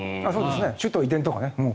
首都移転とかね。